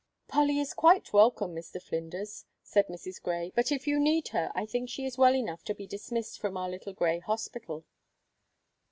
"Polly is quite welcome, Mr. Flinders," said Mrs. Grey, "but if you need her I think she is well enough to be dismissed from our little grey hospital."